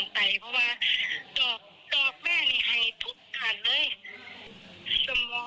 แล้วคุณหมอคุณหมออะไรทำใจเหรอครับ